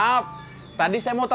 sampai jumpa di video selanjutnya